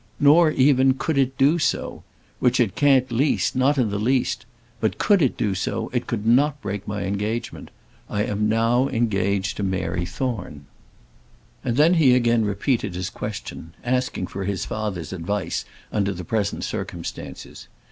Nor, even, could it do so which it can't the least, not in the least but could it do so, it could not break my engagement. I am now engaged to Mary Thorne." And then he again repeated his question, asking for his father's advice under the present circumstances.